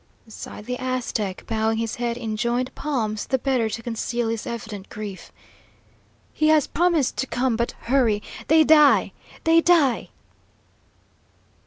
sighed the Aztec, bowing his head in joined palms the better to conceal his evident grief. "He has promised to come, but hurry! They die they die!"